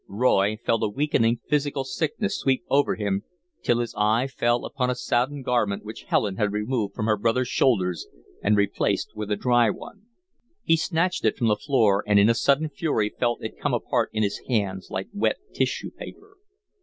Roy felt a weakening physical sickness sweep over him till his eye fell upon a sodden garment which Helen had removed from her brother's shoulders and replaced with a dry one. He snatched it from the floor and in a sudden fury felt it come apart in his hands like wet tissue paper.